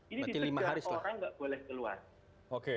ini dicegat orang nggak boleh keluar